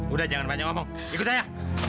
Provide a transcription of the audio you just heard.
udah jangan banyak ngomong ikut saya